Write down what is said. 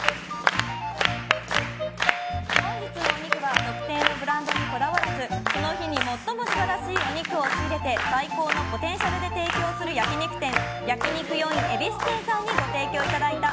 本日のお肉は特定のブランドにこだわらずその日に最も素晴らしいお肉を仕入れて最高のポテンシャルで提供する焼き肉店焼肉よいん恵比寿店さんにご提供いただいた